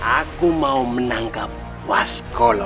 aku mau menangkap haskolo